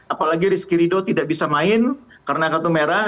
apalagi rizky ridho tidak bisa main karena kartu merah